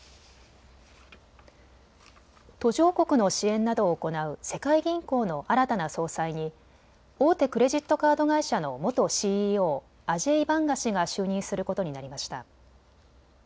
途上国の支援などを行う世界銀行の新たな総裁に大手クレジットカード会社の元ＣＥＯ、アジェイ・バンガ氏が就任することになりました。